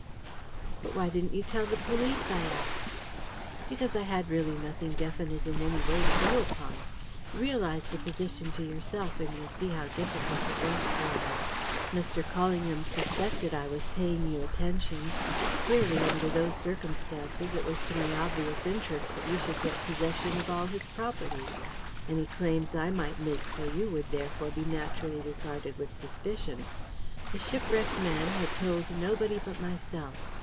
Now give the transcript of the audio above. "But why didn't you tell the police?" I asked. "Because I had really nothing definite in any way to go upon. Realise the position to yourself, and you'll see how difficult it was for me. Mr. Callingham suspected I was paying you attentions. Clearly, under those circumstances, it was to my obvious interest that you should get possession of all his property. Any claims I might make for you would, therefore, be naturally regarded with suspicion. The shipwrecked man had told nobody but myself.